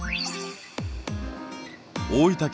大分県